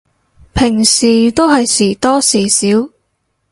平時都係時多時少